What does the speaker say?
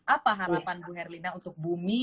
apa harapan bu herlina untuk bumi